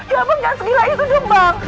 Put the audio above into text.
ya bang jangan segilain itu bang